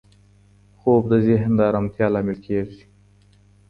خوب د ذهن د ارامتیا لامل کېږي.